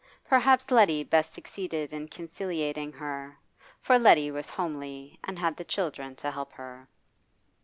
Perhaps Letty best succeeded in conciliating her, for Letty was homely and had the children to help her.